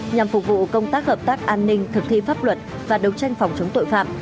nhằm phục vụ công tác hợp tác an ninh thực thi pháp luật và đấu tranh phòng chống tội phạm